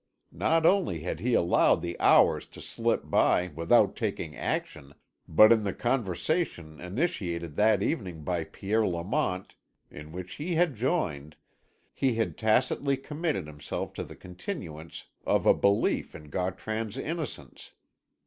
Not only had he allowed the hours to slip by without taking action, but in the conversation initiated that evening by Pierre Lamont, in which he had joined, he had tacitly committed himself to the continuance of a belief in Gautran's innocence.